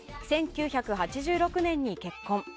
１９８６年に結婚。